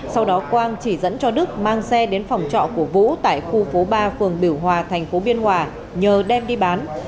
sau đó quang chỉ dẫn cho đức mang xe đến phòng trọ của vũ tại khu phố ba phường biểu hòa thành phố biên hòa nhờ đem đi bán